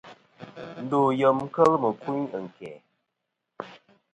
Ndo yem kel mɨkuyn ɨ̀nkæ̀.